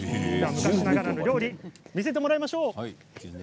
昔ながらのお料理を見せてもらいましょう。